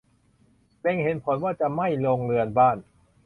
เล็งเห็นผลว่าจะไหม้โรงเรือนบ้าน